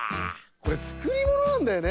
これつくりものなんだよね。